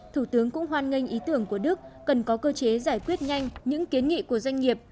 thủ tướng hoan nghênh ý tưởng của đức cần có cơ chế giải quyết nhanh những kiến nghị của doanh nghiệp